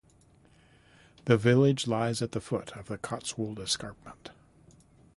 The village lies at the foot of the Cotswold escarpment.